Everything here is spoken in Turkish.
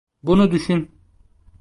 Bunu düşün.